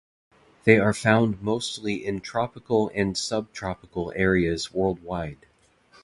They are found mostly in tropical and subtropical areas worldwide.